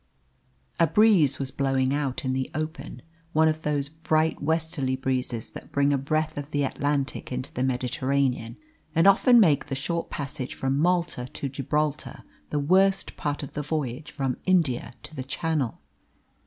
A breeze was blowing out in the open, one of those bright westerly breezes that bring a breath of the Atlantic into the Mediterranean, and often make the short passage from Malta to Gibraltar the worst part of the voyage from India to the Channel.